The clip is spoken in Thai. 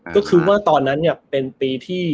ก็คือว่าตอนนั้นเป็นปีที่